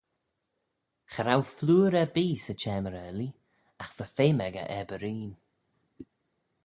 Cha row flooyr erbee 'sy çhamyr-aarlee agh va feme echey er berreen.